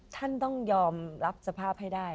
ท่านต้องยอมรับสภาพให้ได้